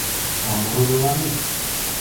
– Мам ородыланет?